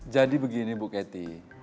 jadi begini bu keti